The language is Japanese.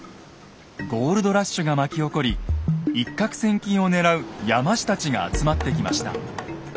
ゴールドラッシュが巻き起こり一獲千金をねらう山師たちが集まってきました。